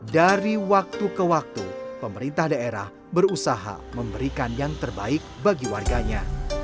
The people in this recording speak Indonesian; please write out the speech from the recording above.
dari waktu ke waktu pemerintah daerah berusaha memberikan yang terbaik bagi warganya